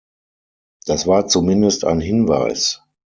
Das war zumindest ein Hinweis.